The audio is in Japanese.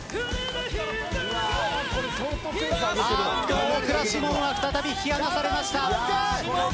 大倉士門は再び引き離されました。